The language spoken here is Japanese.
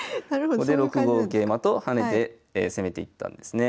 ここで６五桂馬と跳ねて攻めていったんですね。